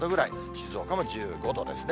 静岡も１５度ですね。